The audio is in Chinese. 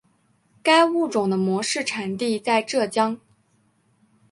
该物种的模式产地在浙江。